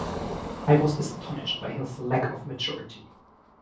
I was astonished by his lack of maturity